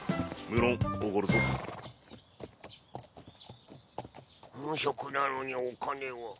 無職なのにお金は。